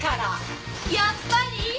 やっぱり？